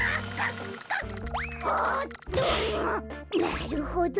なるほど。